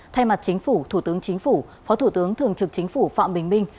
thay mặt chính phủ thủ tướng chính phủ phó thủ tướng thường trực chính phủ phạm bình minh